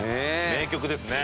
名曲ですね。